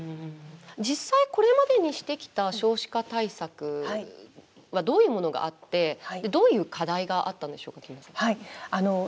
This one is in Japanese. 実際、これまでにしてきた少子化対策はどういうものがあってどういう課題があったんでしょう。